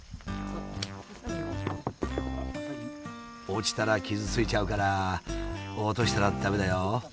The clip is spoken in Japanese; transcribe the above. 落ちたら傷ついちゃうから落としたら駄目だよ。